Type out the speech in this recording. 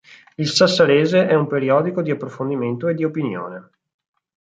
Il Sassarese è un periodico di approfondimento e di opinione.